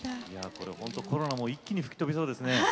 いやこれほんとコロナも一気に吹き飛びそうですね。